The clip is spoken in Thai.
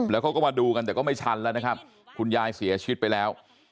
แล้วเขาก็มาดูกันแต่ก็ไม่ชันแล้วนะครับคุณยายเสียชีวิตไปแล้ว